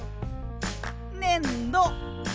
ねんど。